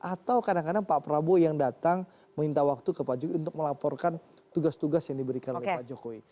atau kadang kadang pak prabowo yang datang minta waktu ke pak jokowi untuk melaporkan tugas tugas yang diberikan oleh pak jokowi